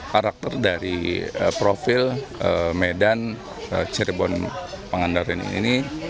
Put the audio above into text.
karakter dari profil medan cirebon pangandaran ini